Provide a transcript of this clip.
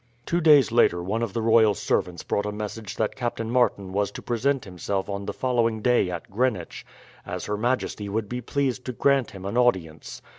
Two days later one of the royal servants brought a message that Captain Martin was to present himself on the following day at Greenwich, as her majesty would be pleased to grant him an audience.